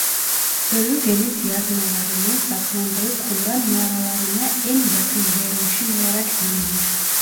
Ölü Deniz Yazmaları'nın saklandığı Kumran Mağaraları'na en yakın yerleşim olarak bilinir.